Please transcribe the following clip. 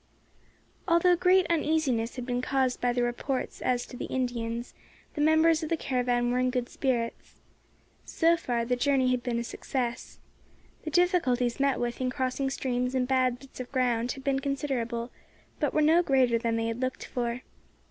ALTHOUGH great uneasiness had been caused by the reports as to the Indians, the members of the caravan were in good spirits. So far the journey had been a success. The difficulties met with in crossing streams and bad bits of ground had been considerable, but were no greater than they had looked for.